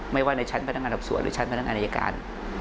ว่าในชั้นพนักงานดับสวนหรือชั้นพนักงานอายการ